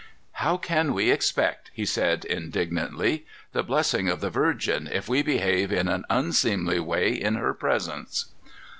"How can we expect," he said indignantly, "the blessing of the Virgin, if we behave in an unseemly way in her presence?"